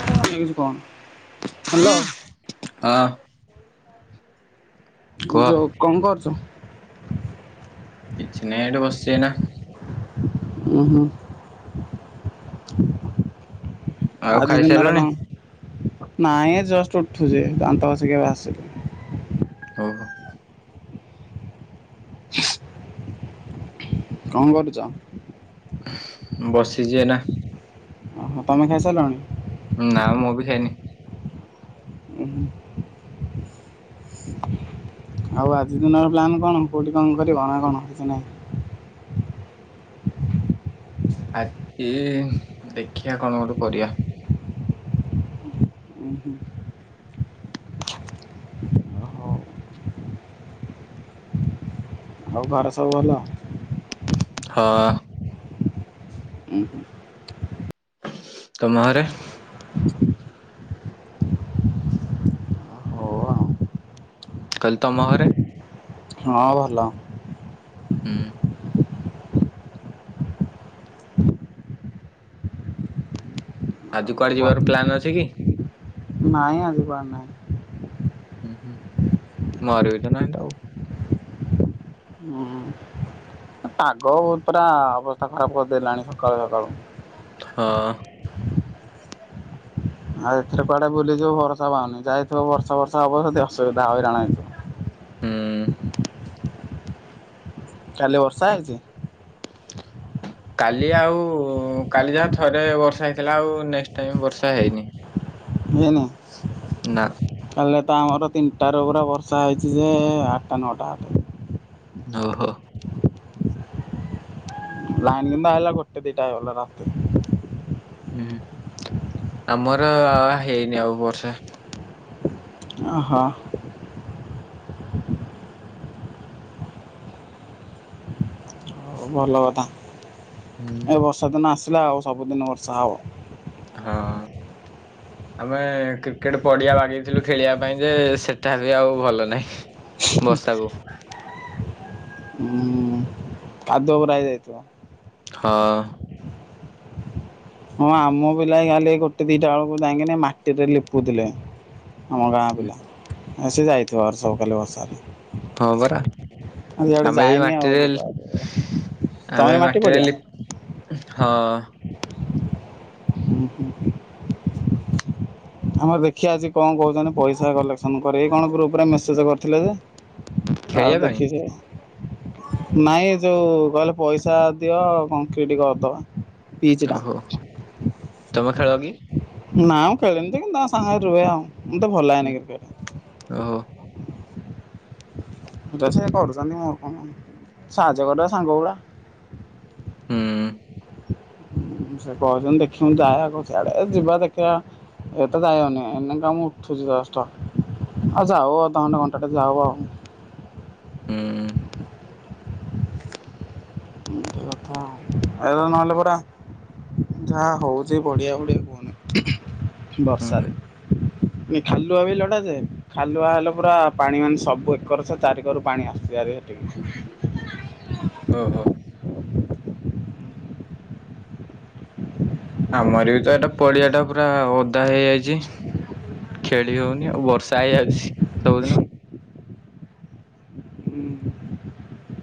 ଏମିତି କଣ ହ୍ୟାଲୋ। ହଁ। କୁହ ଯୋଉ କଣ କରୁଚ? ସେଏଡୁ ବସିଚି ଏନା। ଉଁ ହୁଁ। ଆଉ ଆଜି ଦିନରେ ଖାଇସାରିଲଣି? କଣ, ନାଇଁ ଏ ଜଷ୍ଟ ଉଠୁଚି ଦାନ୍ତ ଘଷିକି ଏବେ ଆସିଲି। [unintelligible] କଣ କରୁଚ? ବସିଚି ଏଇନା। [unintelligible] ତମେ ଖାଇସାରିଲଣି? ନା ମୁଁ ବି ଖାଇନି। ଉଁ ହୁଁ ଆଉ ଆଜି ଦିନର ପ୍ଲାନ୍ କଣ, କେଉଁଠି କଣ କରିବ ନା କଣ କିଛି ନାହିଁ? ଆଜି ଦେଖିଆ କଣ ଗୋଟେ କରିଆ। ଉଁ ହୁଁ ଆଉ ଘରେ ସବୁ ଭଲ? ହ। ହୁଁ। ତମ ଘରେ? ହୁଁ ହଉ ମୁଁ କହିଲି ତମ ଘରେ? ହଁ ଭଲ। ହୁଁ। ଆଉ ଆଜି କୁଆଡ଼େ କୁହ ଯିବାର ପ୍ଲାନ୍ ଅଛି କି। ନାଇଁ ଆଜି କୁଆଡେ ନାହିଁ। ମୋର ବି ତ ନାହିଁ ତ ଆଉ। ହୁଁ ପାଗ ପୁରା ଅବସ୍ଥା ଖରାପ୍ କରିଦେଲାଣି ସକାଳୁ-ସକାଳୁ। ହଁ। ଆଉ ଏଥିରେ କୁଆଡେ ବୁଲିଯିବୁ ଭରଷା ପାଉନ, ଯାଇଥିବ ବର୍ଷା ଫର୍ଷା ହବ ଯଦି ଅସୁବିଧା ହଇରାଣ ହେଇିଯିବ। ହୁଁ। କାଲି ବର୍ଷା ହେଇଚି। କାଲି ଆଉ କାଲି ଯାହା ଥରେ ବର୍ଷା ହେଇଥିଲା ଆଉ ନେକ୍ସଟ୍ ଟାଇମ୍ ବର୍ଷା ହେଇନି। ହେଇନି? ନା କାଲି ତ ଆମର ତିନିଟାରୁ ପୁରା ବର୍ଷା ହେଇଚି ଯେ ଆଟା ନଅଟା [unintelligible] ଓହୋ। ଲାଇନ୍ କିନ୍ତୁ ଆଇଲା ଗୋଟେ ଦିଇଟା ହେଇଗଲା ରାତି। ହୁଁ ଆମର ହେଇନି ଆଉ ବର୍ଷା। ଓହୋ। ହଉ ଭଲ କଥା, ହୁଁ ଏ ବର୍ଷା ଦିନ ଆସିଲା ଆଉ ସବୁଦିନ ବର୍ଷା ହବ। ହଁ। ହ। ଆମେ କ୍ରିକେଟ ପଡିଆ ବାଗେଇଥିଲୁ ଖେଳିବା ପାଇଁ ଯେ ସେଟା ବି ଆଉ ଭଲ ନାହିଁ। ବର୍ଷାକୁ [unintelligible] ହୁଁ କାଦୁଅ ପୁରା ହେଇଯାଇଥିବ। ହଁ। ହଁ ଆମ ପିଲା ଖାଲି ଗୋଟେ ଦିଟା ବେଳକୁ ଯାଇଁକିନି ମାଟିରେ ଲିପୁଥିଲେ। ଆମ ଗାଁ ପିଲା ସେ ଯାଇଥିବ [unintelligible] କାଲି ବର୍ଷାରେ। ହଁ ପରା, ଆଜି ଆଡେ ଆମେ ବି ଯାଇନି ଆଉ ମାଟିରେ ଯିବା ଆଉ କେବେ। ତମର ଆମେ ବି ମାଟି ମାଟରେ ପଡିଆ? ଲି-ହଁ। ହୁଁ-ହୁଁ। ଆମର ଦେଖିଆ ଆଜି କଣ କହୁଚନ୍ତି ପଇସା କଲେକ୍ସନ୍ କରି କଣ ଗ୍ରୁପରେ ମେସେଜ୍ କରିଥିଲେ ଯେ। ଆଉ ଖେଳିବା ପାଇଁ ଦେଖିଚ। ନାଇଁ ଯୋଉ କହିଲେ ପଇସା ଦିଅ କରନକିଡ଼ କରିଦବା। ପିଚ୍ ଟା ଓହୋ ତମେ ଖେଳ କି। ନା ମୁଁ ଖେଳନି ଯେ କିନ୍ତୁ ତା ସାଙ୍ଗରେ ରୁହେ ଆଉ ମତେ ଭଲ ଲାଗେନି କ୍ରିକେଟ। ଓହୋ। ତ ସେ କରୁଛନ୍ତି ମୋର କଣ ସାହାଯ୍ୟ କରିବା ସାଙ୍ଗ ଗୁଡା। ହୁଁ। ସେ କହୁଛନ୍ତି ଦେଖିବୁ ଯାଏ ଆଗ ସିଆଡେ ଯିବା ଦେଖିବା। ଏଇତେ ଯାଇ ହବନି ଏଇନା ଉଠିଲି ଜଷ୍ଟ। ଆଉ ଯାଉ ଅଧଘଣ୍ଟା ଘଣ୍ଟେ ଟେ ଯାଉ ଆଉ। ହୁଁ ଏମିତି କଥା ଆଉ। ଯାହା ହଉଛି ପଡିଆ ଫଡ଼ିଆ ହୁଁ ହୁଁ ବର୍ଷାରେ। ଏ ଖାଲୁଆ ବିଲଟା ଯେ। ଖାଲୁଆ ହେଲେ ପୁରା ପାଣି ମାନେ ସବୁ ଏକର ସେ ଚାରି କରୁ ପାଣି ଆସୁଛି ହରି ଏଠିକି। ଓହୋ। ଆମର ବି ତ ଏଟା ପଡିଆ ଟା ପୁରା ଓଦା ହେଇଯାଇଛି। ଖେଳି ହଉନି ଆଉ ବର୍ଷା ହେଇଯାଉଛି ସବୁଦିନ। ହୁଁ।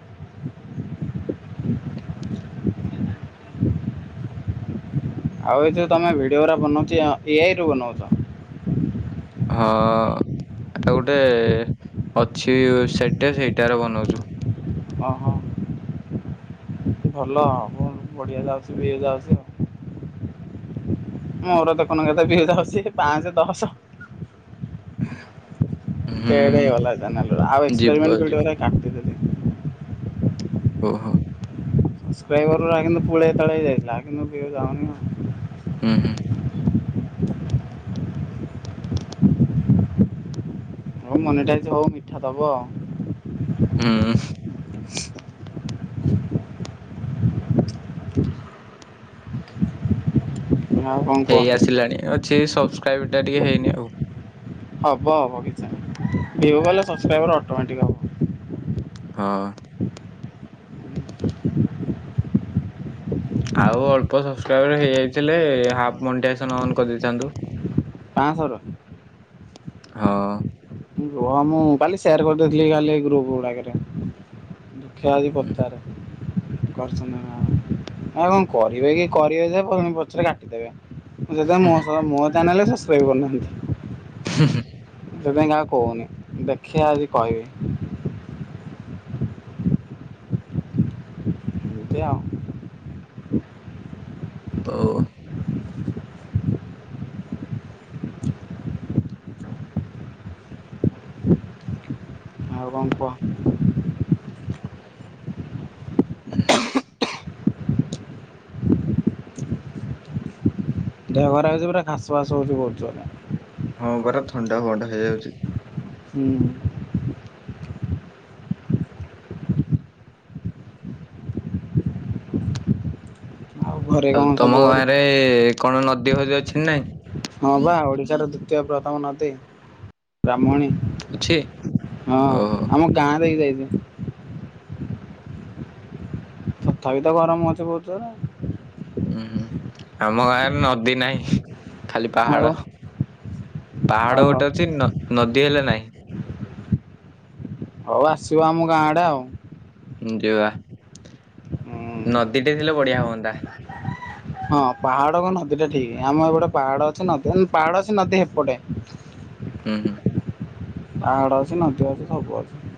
ଆଉ ଏ ଯେଉ ତୁମେ ଭିଡ଼ିଓ ଅରା ବନାଉଛ, ଏଆଇରୁ ବନାଉଛ? ହଁ ତା ଗୋଟେ ଅଛି ୱେବସାଇଟ ଟେ ସେଇଟାର ବନାଉଛୁ। ଅ ହ ଭଲ ଆ ବଢିଆ ଯାଉଛି ବି ଯାଉଛି ଆଉ। ମୋର ଦେଖୁନୁ କେତେ ଭିୟୁ ଯାଉଚି ପାଞ୍ଚ ଦଶ। ହୁଁ ଫେଡ଼େ ହେଇଗଲା ଚାନେଲେ ଗୁଡା ଆଉ ଏକ୍ସପେରିମେଣ୍ଟ ଯିବ ଯିବ। ମିଟିବରେ କାଟି ଓହୋ। [unintelligible] ହୁଁ ହୁଁ। ହଉ ମନି ଟାଇଜ ହଉ ମିଠା ଦବ ଆଉ। ହୁଁ ହଁ ଆଉ କଣ କୁହ? ଲାଣି ଅଛି ସବସ୍କ୍ରାଇବ୍ଟା ଟିକେ ହେଇନି ଆଉ। ହବ ହବ କିଛି ନାହିଁ, ଭିୟୁ ଗଲେ ସବସ୍କ୍ରାଇବର ଅଟୋମେଟିକ୍ ହବ। ହଁ। ଆଉ ଅଳ୍ପ ସବସ୍କ୍ରାଇବର ହେଇଯାଇଥିଲେ, ହାଫ ମଣ୍ଡିଆସନ ଅନ୍ କରିଦେଇଥାନ୍ତୁ। ପାଆଁଶରୁ ହଁ। କୁହ ମୁଁ କାଲି ସେୟାର କରିଦେଇଥିଲି କାଲି ଗ୍ରୁପ ଗୁଡାକରେ। ଖ୍ୟାଳଦ କରତାରେ କରିଛନ୍ତି ଆ କଣ କରିବେ କି କରିବେ ଯେ ପଣି ପଛରେ କାଟିଦେବେ। ସେ ମୋ ମୋ ଚ୍ୟାନେଲ ସବସ୍କ୍ରାଇବ କରୁନାହାନ୍ତି। ହୁଁ ହୁଁ ସେଇଥି ପାଇଁ କାହାକୁ କହୁନି, ଦେଖିବା ଆଜି କହିବି। ଏଇ ଆଉ [unintelligible] ଆଉ କଣ କୁହ। ଦେହ ଖରାପ ଯେ ପୁରା ଖାସ ଫାସ ହଉଚି ବହୁତ ଜୋରେ। ହଁ ପରା ଥଣ୍ଡା ଫଣ୍ଡା ହେଇଯାଉଚି। ହୁଁ। ଘରେ ଆଉ କଣ ସବୁ ତମ ଗାଁ ଘରେ ରେ କଣ ନଦୀ ଫଦି ଅଛି ନା ନାଇଁ? ହଁ ବା ଓଡିଶାର ଦ୍ଵିତୀୟ ପ୍ରଥମ ନଦୀ ବ୍ରାହ୍ମଣୀ। ଅଛି? ହଁ ଓହୋ। ଆମ ଗାଁ ଦେଇକି ଯାଇଚି। ତଥାପି ତ ଗରମ ହୋଉଚି ବହୁତ ଜୋରେ। ହୁଁ ହୁଁ ଆମ ଗାଁରେ ନଦୀ ନାହିଁ। ଖାଲି ଆଉ ପାହାଡ ପାହାଡ ଓହୋ ଗୋଟେ ଅଛି ନ ନଦୀ ହେଲେ ନାହିଁ। ହଉ ଆସିବ ଆମ ଗାଁ ଆଡେ ଆଉ। ଯିବା ନଦୀଟେ ଥିଲେ ବଢିଆ ହୁଅନ୍ତା। ହଁ ପାହାଡ କୁ ନଦୀ ଟା ଠିକ ଆମ ଏପଟେ ପାହାଡ ଅଛି ନଦୀ ପାହାଡ ଅଛି ନଦୀ ହେପଟେ। ହୁଁ ହୁଁ। ପାହାଡ ଅଛି ନଦୀ ଅଛି ସବୁ ଅଛି।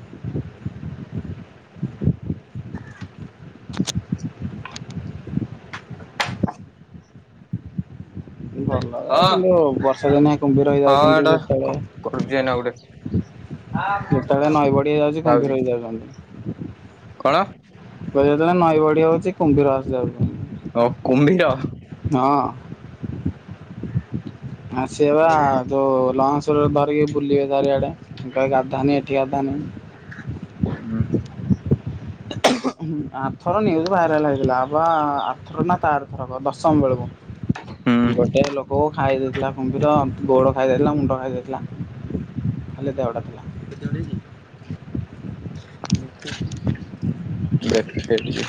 ଭଲ ହଁ। କିନ୍ତୁ ବର୍ଷା ଦିନେ କୁମ୍ଭୀର ହଁ ହେଇଯାଉଚନ୍ତି ଏଇଟା କରୁଛି ଏଇନା ଯେତେବେଳେ ଗୋଟେ ଯେତେବେଳେ ନଈ ବଢ଼ି ହେଇଯାଉଚି ଯାଉଛି କୁମ୍ଭୀର ହେଇଯାଉଚନ୍ତି। କଣ? କହିଲି ଯେତେବେଳେ ନଈ ବଢ଼ି ହଉଚି କୁମ୍ଭୀର ଆସି ଯାଉଚି। ଓ କୁମ୍ଭୀର। ହଁ। ଆ ସିଏବା ତ ଲହଶରେ ଧରିକି ବୁଲିବେ ଚାରିଆଡ଼େ କହବେ ଗଧାନି ଏଠି ଗାଧା ନି। ହୁଁ ହୁଁ। ଆଥର ନ୍ୟୁଜ ଭାଇରାଲ ହେଇଥିଲା ବା ଆଥର ନା ତାର ଥରକ ଦଶମ ବେଳକୁ ହୁଁ ଗୋଟେ ଲୋକକୁ ଖାଇ ଦେଇେଥିଲା କୁମ୍ଭୀର ଗୋଡ଼ ଖାଇଦାଇଥିଲା ମୁଣ୍ଡ ଖାଇଦାଇଥିଲା ଖାଲି ଦେହଟା ଥିଲା। [unintelligible] [inaudible] ଦେଖେ ଟିକେ।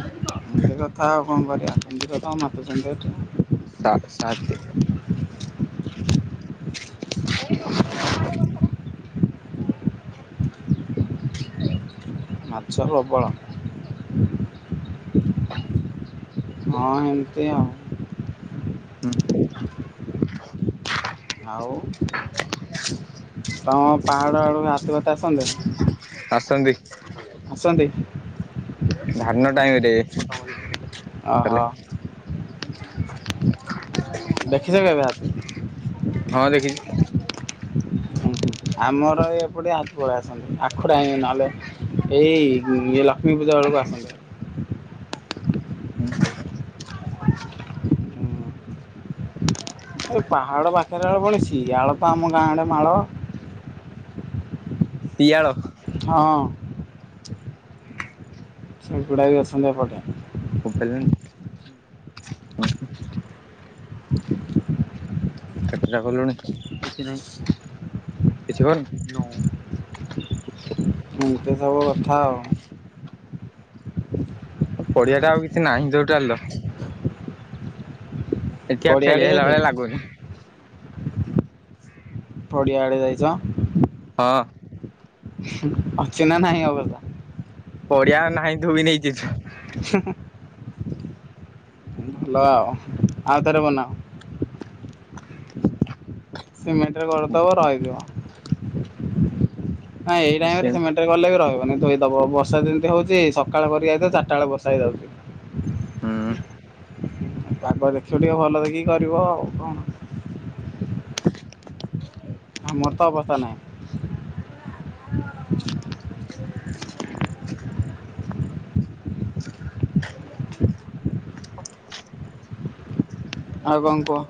ଆ କ ଏ କଥା ଆଉ କଣ କରିବା କୁମ୍ଭୀର ତ ଆଉ ମାଛ ସେନ୍ତି ଏଠି ସା ସତେ [inaudible] ମାଛ ପ୍ରବଳ। ହଁ ଏମିତି ଆଉ। ହୁଁ ଆଉ ତମ ପାହାଡ ଆଡକୁ ହାତୀ ଫାତି ଆସନ୍ତିନି? ଆସନ୍ତି। ଆସନ୍ତି? ଧାନ ଟାଇମ୍ ରେ। ଓହୋ ଚାଲେ ଦେଖିଚ କେବେ ହାତୀ? ହଁ ଦେଖିଚି। ହୁଁ ହୁଁ ଆମର ଏପଟେ ହାତୀ ପଳେଇ ଆସନ୍ତି ଆଖୁ ଟାଇମ୍ ନହେଲେ ଏଇ ଲକ୍ଷ୍ମୀ ପୂଜା ବଳକୁ ଆସନ୍ତି। ହୁଁ। ହୁଁ। ଏ ପାହାଡ଼ ପାଖରେ ହବଣି ସିଆଳ ତ ଆମ ଗାଁ ଆଡେ ମାଳ। [unintelligible] ସିଆଳ ହଁ। ସେ ଗୁଡାକ ବି ଅଛନ୍ତି ଏପଟେ। ମୁଁ ପାଇଲିନ ହ [unintelligible] କେତେଟା କଲୁଣି ତୁ? କିଛିି କରିନୁ ଏମତି ସବୁ କଥା ଆଉ। ପଢିଆଟା ଆଉ କିଛି ନାହିଁ ଟୋଟାଲ। [unintelligible] ଏଠି ଆଉ ପଡିଆ ଖେଳି ଆଡେ ହେଲା ଯାଇଚ ଭଳିଆ ଲାଗୁନି କି ପଡିଆ ଆଡେ ଯାଇଚ? ହଁ। ହୁଁ ଅଛିିହ୍ନା ନାହିଁ ଅବସ୍ତା। ପଡିଆ ଆଉ ନାହିଁ ଧୁଇ ନେଇଯାଇଚୁ। ହୁଁ ହୁଁ ଭଲ ଆଉ ଆଉଥରେ ବନାଅ। ସିମେଣ୍ଟରେ କରିଦବ ରହିଯିବ ଆଁ ଏଇ ଟାଇରେ ସେମାନେ ଗଲେ ବି ରହିବନି ଧୋଇ ଦବ ବର୍ଷା ଯେମତି ହୋଉଚି ସକାଳ କରିକି ଯଇଥିବା ଚାରିଟା ବେଳେ ବର୍ଷା ହେଇଯାଉଚି। ହୁଁ। ପାଗ ଦେଖିବ ଟିକେ ଭଲ ଦେଖିକି କରିବ ଆଉ କଣ? ଆମର ତ ଅବସ୍ତା ନାଇଁ। [inaudible] ଆଉ କଣ କୁହ?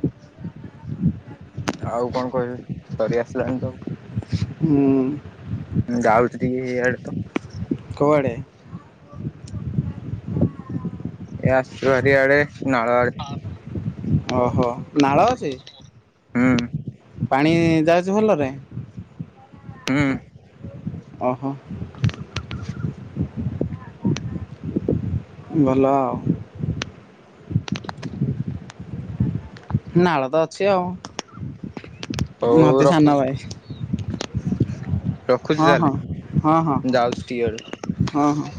ଆଉ କଣ କହିବି ସରି ଆସିଲାଣି ତ ଆଉ। ହୁଁ। ଉଁ ଯାଉଚୁ ଟିକେ ଏଇଆଡେ ତ। କୋଉ ଆଡ଼େ? ଏ ଆସଚୁ ଭାରି ୟାଡେ ନାଳ ଆଡେ। ଓହୋ ନାଳ ଅଛି? ହୁଁ। ପାଣି ଯାଉଚି ଭଲରେ? ହୁଁ। ଓହୋ। ହୁଁ ଭଲ ଆଉ। ନାଳ ତ ଅଛି ଆଉ ହଉ ନଦୀ ସାନ ରଖୁଛି ଭାଇ। ରଖୁଛି ହଁ ହଁ ତାହେଲେ ହଁ ହଁ ଯାଉଛି ଟିକେ ଆଡେ। ହଁ ହଁ।